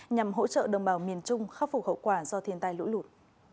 nhằm hỗ trợ đồng bào miền trung khắc phục hậu quả do thiền tai lũ lụt